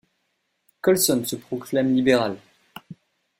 Colson se proclame libéral.